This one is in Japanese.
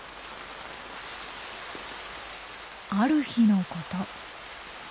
ある日のこと。